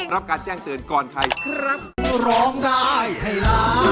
รับการแจ้งเตือนก่อนใครครับ